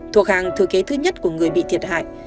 thuộc hàng thừa kế thứ nhất của người bị thiệt hại